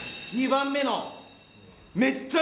２番目の！